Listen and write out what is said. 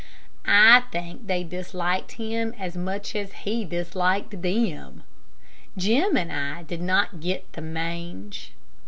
I think they disliked him as much as he disliked them. Jim and I did not get the mange.